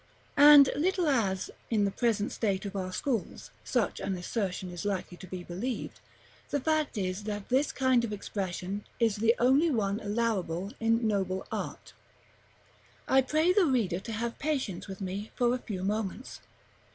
And little as, in the present state of our schools, such an assertion is likely to be believed, the fact is that this kind of expression is the only one allowable in noble art. § XX. I pray the reader to have patience with me for a few moments.